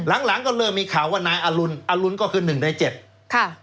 หลังหลังก็เริ่มมีข่าวว่านายอรุณอรุณก็คือหนึ่งในเจ็ดค่ะ